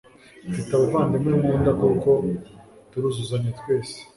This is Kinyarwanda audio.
mfite abavandimwe nkunda kuko turuzuzanya twese